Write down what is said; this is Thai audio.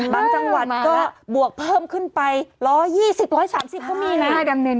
จังหวัดก็บวกเพิ่มขึ้นไป๑๒๐๑๓๐ก็มีนะ